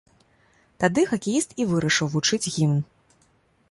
Тады хакеіст і вырашыў вучыць гімн.